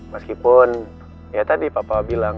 meskipun ya tadi papa bilang